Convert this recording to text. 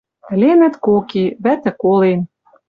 Ӹленӹт кок и — вӓтӹ колен.